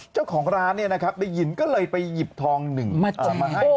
เจ้าของร้านเนี่ยนะครับได้ยินก็เลยไปหยิบทองหนึ่งมาให้นะ